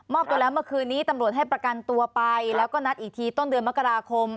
ตัวแล้วเมื่อคืนนี้ตำรวจให้ประกันตัวไปแล้วก็นัดอีกทีต้นเดือนมกราคม